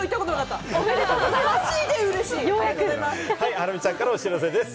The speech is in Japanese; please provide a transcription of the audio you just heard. ハラミちゃんからお知らせです。